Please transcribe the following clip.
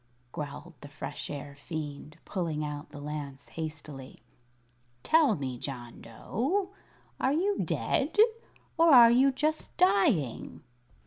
growled the Fresh Air Fiend, pulling out the lance hastily. "Tell me, John Dough, are you dead, or are you just dying?"